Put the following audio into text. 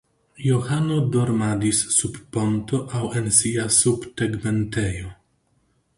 Johano dormadis sub ponto aŭ en sia subtegmentejo.